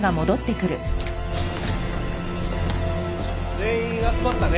全員集まったね。